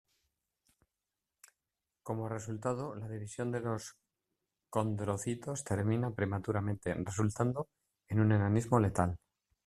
Como resultado la división de los condrocitos termina prematuramente, resultando en un enanismo letal.